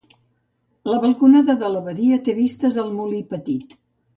La balconada de l'Abadia té vistes al Molí Petit.